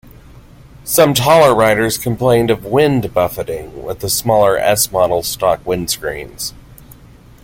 Some taller riders complained of wind buffeting with the smaller S model stock windscreens.